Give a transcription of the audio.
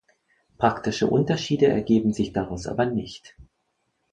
Praktische Unterschiede ergeben sich daraus aber nicht.